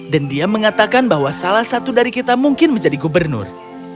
dan dia mengatakan bahwa salah satu dari kita mungkin menjadi gubernur